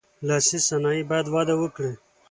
لاسي صنایع باید وده وکړي.